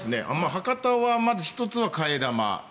博多はまず１つは替え玉。